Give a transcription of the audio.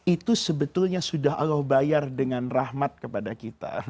itu sebetulnya sudah allah bayar dengan rahmat kepada kita